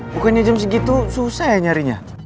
bukannya jam segitu susah ya nyarinya